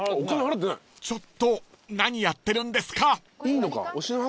［ちょっと何やってるんですか！］